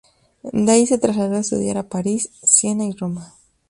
De ahí se trasladó a estudiar a París, Siena y Roma.